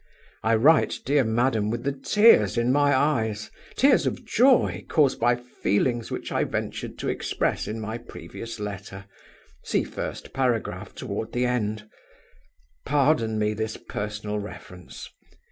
I write, dear madam, with the tears in my eyes tears of joy, caused by feelings which I ventured to express in my previous letter (see first paragraph toward the end). Pardon me this personal reference.